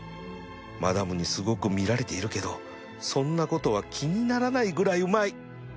マダムにすごく見られているけどそんなことは気にならないぐらいうまい